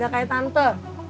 gak kayak tante